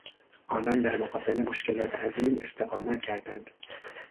آنان در مقابل مشکلات عظیم استقامت کردند.